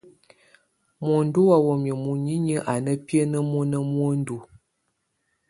Muəndu wa wamia muninyə a na biəne mɔna muəndu.